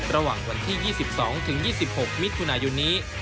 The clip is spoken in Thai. ระหว่างวันที่๒๒๒๖มิถุนายนนี้